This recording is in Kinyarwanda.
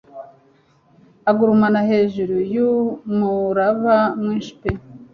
ugurumana hejuru yumuraba mwinshi pe